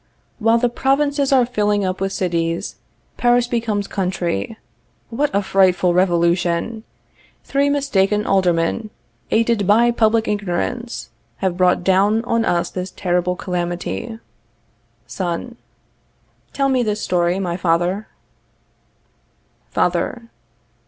_ While the provinces are filling up with cities, Paris becomes country. What a frightful revolution! Three mistaken Aldermen, aided by public ignorance, have brought down on us this terrible calamity. Son. Tell me this story, my father. _Father.